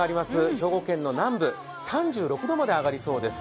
兵庫県の南部、３６度まで上がりそうです。